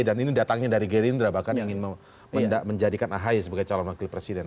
dan ini datangnya dari gerindra bahkan yang ingin menjadikan ahayi sebagai calon wakil presiden